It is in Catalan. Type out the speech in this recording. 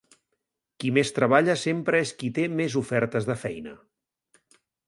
Qui més treballa sempre és qui té més ofertes de feina.